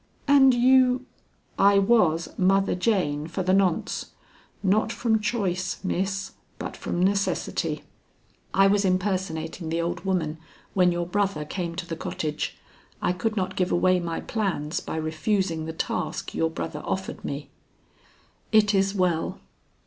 "And you " "I was Mother Jane for the nonce. Not from choice, Miss, but from necessity. I was impersonating the old woman when your brother came to the cottage. I could not give away my plans by refusing the task your brother offered me." "It is well."